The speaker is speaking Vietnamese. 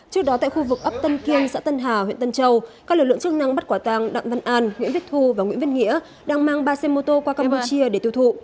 trước đó tại khu vực ấp tân kiên xã tân hà huyện tân châu các lực lượng chức năng bắt quả tàng đặng văn an nguyễn bích thu và nguyễn văn nghĩa đang mang ba xe mô tô qua campuchia để tiêu thụ